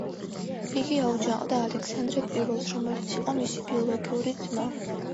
იგი აუჯანყდა ალექსანდრე პირველს, რომელიც იყო მისი ბიოლოგიური ძმა.